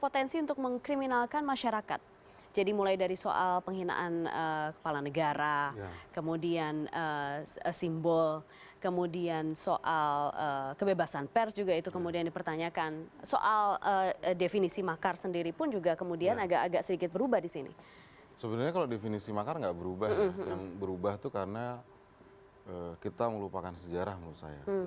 terima kasih gifts